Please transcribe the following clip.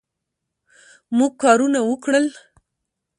موږ کارونه وکړل